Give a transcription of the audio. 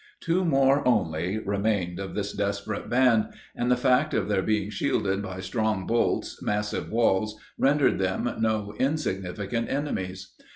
Two more only remained of this desperate band, and the fact of their being shielded by strong bolts massive walls, rendered them no insignificant enemies.